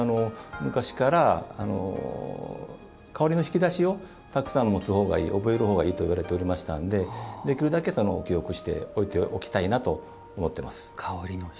昔から、香りの引き出しをたくさん持つほうがいい覚えるほうがいいと言われておりましたのでできるだけ記憶しておきたいなと思っています。